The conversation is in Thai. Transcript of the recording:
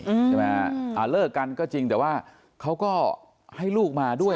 ใช่ไหมฮะอ่าเลิกกันก็จริงแต่ว่าเขาก็ให้ลูกมาด้วย